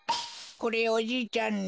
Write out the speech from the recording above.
これおじいちゃんに。